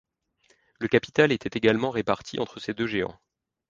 Le capital était également réparti entre ces deux géants.